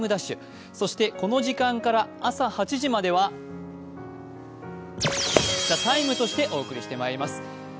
そしてこの時間から朝８時までは「ＴＨＥＴＩＭＥ，」としてお送りしてまいります。